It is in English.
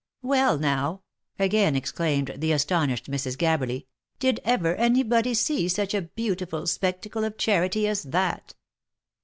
" Well now !" again exclaimed the astonished Mrs. Gabberly " did ever any body see such a beautiful spectacle of charity as that?"